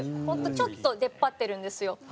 ホントちょっと出っ張ってるんですよ。